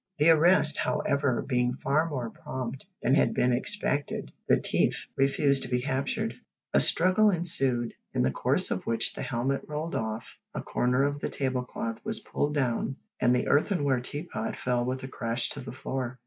The arrest, however, being far more prompt than had been expected, the "t'ief" refused to be captured. A struggle ensued, in the course of which the helmet rolled off, a corner of the tablecloth was pulled down, and the earthenware teapot fell with a crash to the floor.